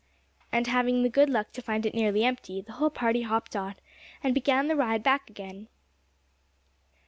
And having the good luck to find it nearly empty, the whole party hopped on, and began the ride back again.